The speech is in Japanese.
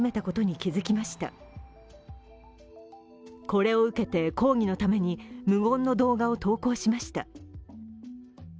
これを受けて抗議のために無言の動画を投稿しました。